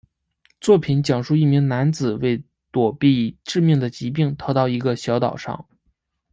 作品讲述一名男子为躲避致命的疾病逃到一个小岛上。